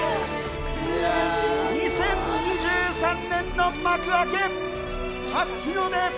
２０２３年の幕開け初日の出。